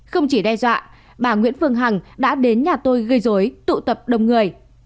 không chỉ đe dọa bà nguyễn phương hằng đã đến nhà tôi gây dối tụ tập đông người